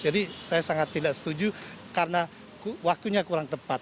jadi saya sangat tidak setuju karena waktunya kurang tepat